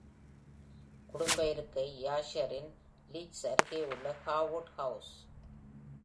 குடும்ப இருக்கை யார்க்ஷயரின் லீட்ஸ் அருகே உள்ள ஹேர்வுட் ஹவுஸ்.